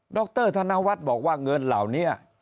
รธนวัฒน์บอกว่าเงินเหล่านี้